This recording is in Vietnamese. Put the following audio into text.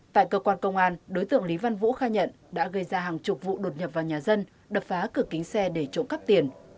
tại cơ quan công an đối tượng lý văn vũ khai nhận đã gây ra hàng chục vụ đột nhập vào nhà dân đập phá cửa kính xe để trộm cắp tiền